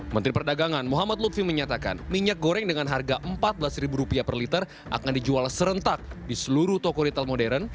menteri perdagangan muhammad lutfi menyatakan minyak goreng dengan harga rp empat belas per liter akan dijual serentak di seluruh toko retail modern